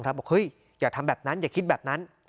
บอกว่าเฮ้ยอย่าทำแบบนั้น